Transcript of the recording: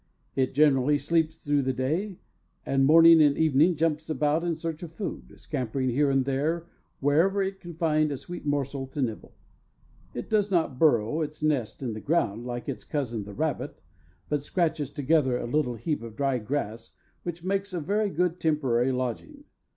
It generally sleeps through the day, and morning and evening jumps about in search of food, scampering here and there wherever it can find a sweet morsel to nibble. It does not burrow its nest in the ground, like its cousin the rabbit, but scratches together a little heap of dry grass, which makes a very good temporary lodging.